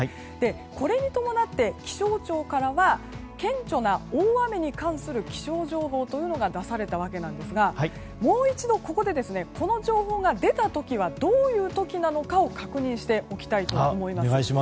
これに伴って気象庁からは顕著な大雨に関する気象情報というのが出されたわけなんですがもう一度ここでこの情報が出た時はどういう時なのかを確認しておきたいと思います。